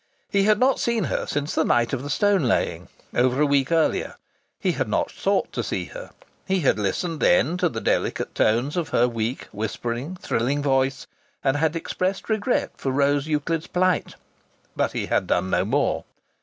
He had not seen her since the night of the stone laying, over a week earlier. He had not sought to see her. He had listened then to the delicate tones of her weak, whispering, thrilling voice, and had expressed regret for Rose Euclid's plight. But he had done no more.